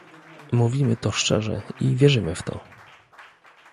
Mówimy to szczerze i wierzymy w to